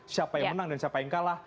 siapa yang menang dan siapa yang kalah